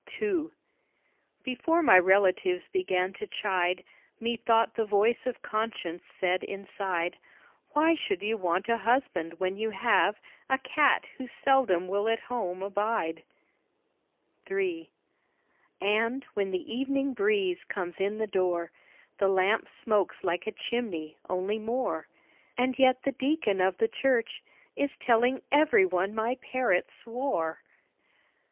II Before my relatives began to chide, Methought the voice of conscience said inside: "Why should you want a husband, when you have A cat who seldom will at home abide?" III And, when the evening breeze comes in the door, The lamp smokes like a chimney, only more; And yet the deacon of the church Is telling every one my parrot swore.